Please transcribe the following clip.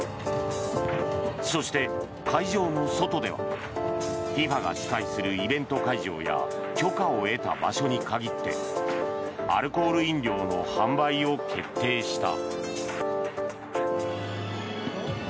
そして、会場の外ではＦＩＦＡが主催するイベント会場や許可を得た場所に限ってアルコール飲料の販売を決定した。